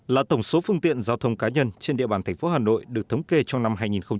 là tổng số phương tiện giao thông cá nhân trên địa bàn thành phố hà nội được thống kê trong năm hai nghìn một mươi chín